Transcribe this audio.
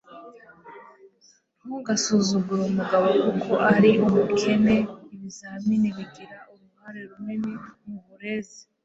Ntugasuzugure umugabo kuko ari umukene. Ibizamini bigira uruhare runini mu burezi.